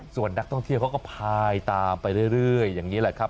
ส่วนนักท่องเที่ยวเขาก็พายตามไปเรื่อยอย่างนี้แหละครับ